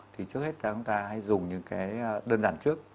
thì trước hết là chúng ta hãy dùng những cái đơn giản trước